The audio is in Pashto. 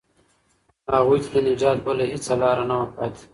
هغوی ته د نجات بله هیڅ لاره نه وه پاتې.